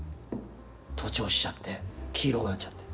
徒長しちゃって黄色くなっちゃって。